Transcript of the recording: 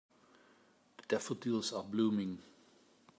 The daffodils are blooming.